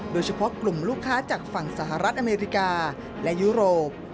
โดยเฉพาะกลุ่มลูกค้าจากฝั่งสหรัฐอเมริกาและยุโรป